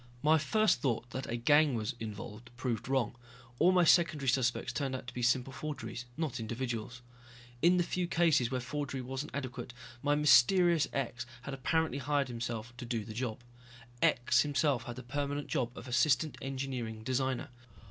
My first thought that a gang was involved proved wrong. All my secondary suspects turned out to be simple forgeries, not individuals. In the few cases where forgery wasn't adequate, my mysterious X had apparently hired himself to do the job. X himself had the permanent job of Assistant Engineering Designer.